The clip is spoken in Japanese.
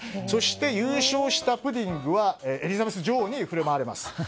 そして優勝したプディングはエリザベス女王に振る舞われます。